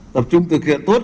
tập trung thực hiện tốt